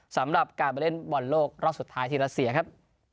สำหรับการไปเล่นบอลโลกรอบสุดท้ายที่รัสเซียครับ